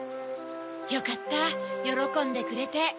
よかったよろこんでくれて。